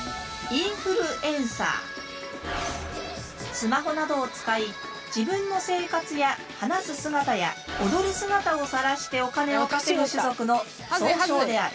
スマホなどを使い自分の生活や話す姿や踊る姿をさらしてお金を稼ぐ種族の総称である。